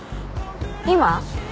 今？